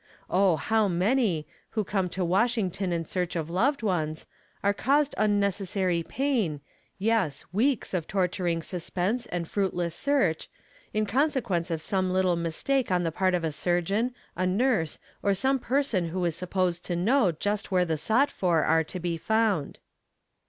Oh, how many, who come to Washington in search of loved ones, are caused unnecessary pain, yes, weeks of torturing suspense and fruitless search, in consequence of some little mistake on the part of a surgeon, a nurse, or some person who is supposed to know just where the sought for are to be found.